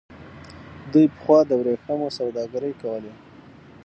دوی پخوا د ورېښمو سوداګري کوله.